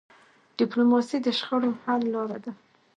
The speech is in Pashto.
ډيپلوماسي د شخړو حل لاره ده.